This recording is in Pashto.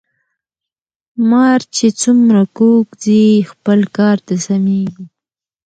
مار چی څومره کوږ ځي خپل کار ته سمیږي .